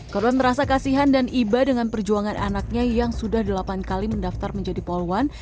korban merasa kasihan dan iba dengan perjuangan anaknya yang sudah delapan kali mendaftar menjadi poluan